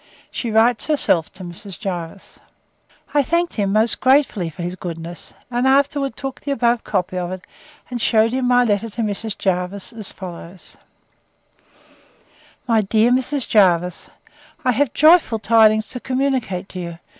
She writes herself to Mrs. Jervis.' I thanked him most gratefully for his goodness; and afterwards took the above copy of it; and shewed him my letter to Mrs. Jervis, as follows: 'My DEAR MRS. JERVIS, 'I have joyful tidings to communicate to you.